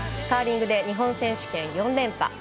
カーリングで日本選手権４連覇。